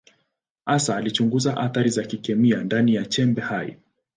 Hasa alichunguza athari za kikemia ndani ya chembe hai.